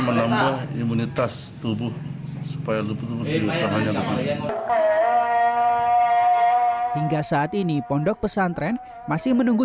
menambah imunitas tubuh supaya lebih terakhir hingga saat ini pondok pesantren masih menunggu